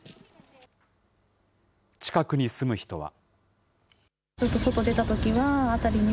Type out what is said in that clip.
近くに住む人は。